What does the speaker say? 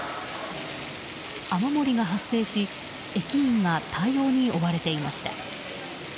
雨漏りが発生し駅員が対応に追われていました。